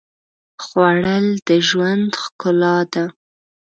خوړل د ژوند ښکلا ده